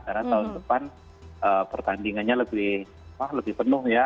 karena tahun depan pertandingannya lebih penuh ya